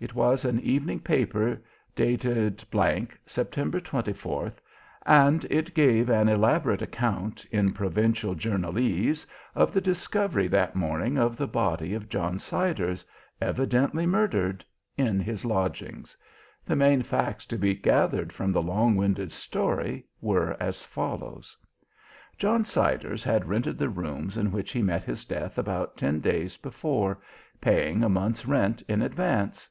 It was an evening paper, dated G , September 24th, and it gave an elaborate account, in provincial journalese, of the discovery that morning of the body of John Siders, evidently murdered, in his lodgings. The main facts to be gathered from the long winded story were as follows: John Siders had rented the rooms in which he met his death about ten days before, paying a month's rent in advance.